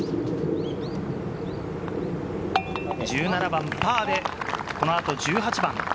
１７番パーで、この後１８番。